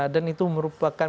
dan itu merupakan